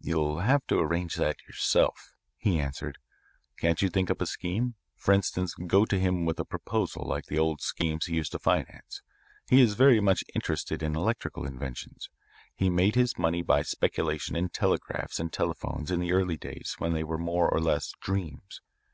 "You'll have to arrange that yourself," he answered. "Can't you think up a scheme? For instance, go to him with a proposal like the old schemes he used to finance. He is very much interested in electrical inventions. He made his money by speculation in telegraphs and telephones in the early days when they were more or less dreams.